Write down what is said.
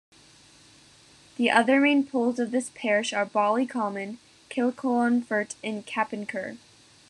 The other main poles of this parish are Ballycommon, Kilclonfert and Cappincur.